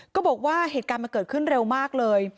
ก็บอกว่าเหตุการณ์มันเกิดขึ้นเร็วมากเลย